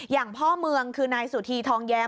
อย่างพ่อเมืองคือนายสุธีทองแย้ม